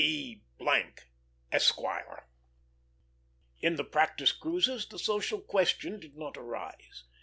B. M , Esquire." In the practice cruises the social question did not arise.